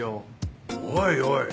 おいおい。